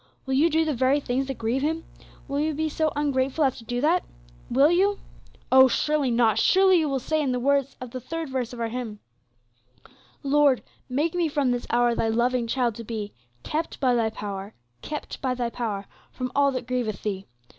Will you do the very things that grieve Him? Will you be so ungrateful as to do that? Will you? "Oh! surely not; surely you will say, in the words of the third verse of our hymn, 'Lord, make me from this hour Thy loving child to be, Kept by Thy power, Kept by Thy power, From all that grieveth Thee.'